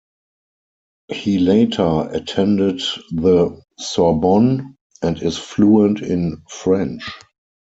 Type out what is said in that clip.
He later attended the Sorbonne and is fluent in French.